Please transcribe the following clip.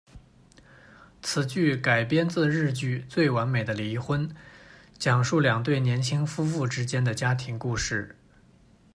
此剧改编自日剧《最完美的离婚》，讲述两对年轻夫妇之间的家庭故事。